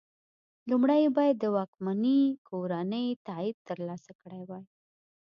لومړی یې باید د واکمنې کورنۍ تایید ترلاسه کړی وای.